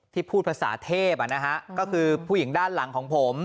พูดภาษาเทพก็คือผู้หญิงด้านหลังของผม